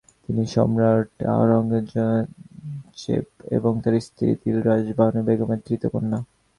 তিনি সম্রাট আওরঙ্গজেব এবং তার স্ত্রী দিলরাস বানু বেগমের তৃতীয় কন্যা।